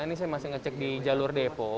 ini saya masih ngecek di jalur depo